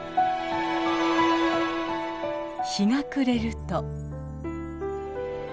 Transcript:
日が暮れると。